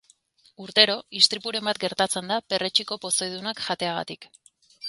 Urtero istripuren bat gertatzen da perretxiko pozoidunak jateagatik.